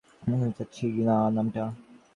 মফস্বল শহরের নামটা আমি বলতে চাচ্ছি না।